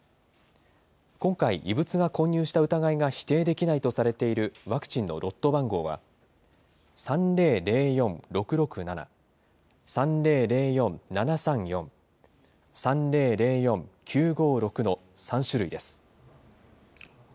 今回、異物が混入した疑いが否定できないとされているワクチンのロット番号は、３００４６６７、３００４７３４、３００４９５６の３種類です。